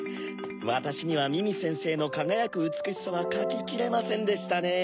わたしにはみみせんせいのかがやくうつくしさはかききれませんでしたね。